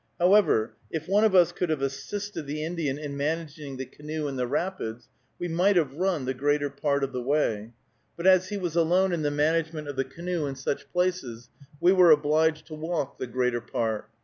However, if one of us could have assisted the Indian in managing the canoe in the rapids, we might have run the greater part of the way; but as he was alone in the management of the canoe in such places, we were obliged to walk the greater part.